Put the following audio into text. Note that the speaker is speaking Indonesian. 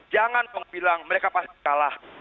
jangan bilang mereka pasti kalah